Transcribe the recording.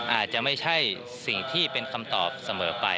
อาจจะไม่ใช่สิ่งที่เป็นคำตอบเสมอไป